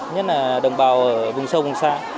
nhất là đồng bào ở vùng sâu vùng xa